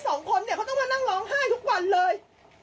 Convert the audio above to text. สองคนเนี่ยเขาต้องมานั่งร้องไห้ทุกวันเลย